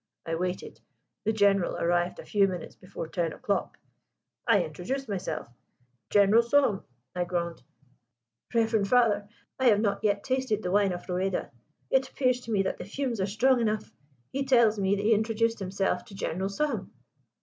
I waited: the General arrived a few minutes before ten o'clock: I introduced myself " "General Souham," I groaned. "Reverend father, I have not yet tasted the wine of Rueda: it appears to me that the fumes are strong enough. He tells me he introduced himself to General Souham!"